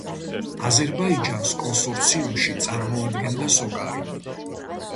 აზერბაიჯანს კონსორციუმში წარმოადგენდა სოკარი.